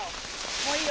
もういいよ。